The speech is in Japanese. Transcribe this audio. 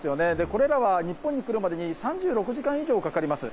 これらは日本に来るまでに３６時間以上かかります。